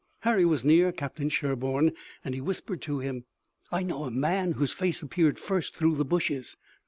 Harry was near Captain Sherburne, and he whispered to him: "I know the man whose face appeared first through the bushes."